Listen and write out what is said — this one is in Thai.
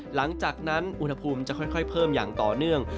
หลังจากนั้นอุณหภูมิจะค่อยเพิ่มอย่างต่อเนื่อง